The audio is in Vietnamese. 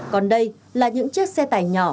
còn đây là những chiếc xe tải nhỏ